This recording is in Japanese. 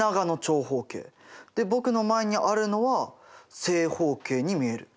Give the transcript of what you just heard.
で僕の前にあるのは正方形に見える。